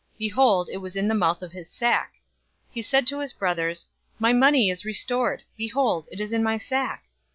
Behold, it was in the mouth of his sack. 042:028 He said to his brothers, "My money is restored! Behold, it is in my sack!"